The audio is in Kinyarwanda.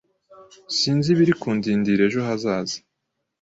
Sinzi ibiri kundindira ejo hazaza.